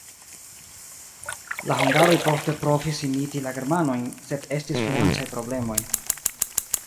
La hungaroj poste provis imiti la germanojn, sed estis financaj problemoj.